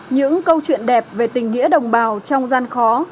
những câu chuyện đẹp về tình nghĩa đồng bào trong gian khó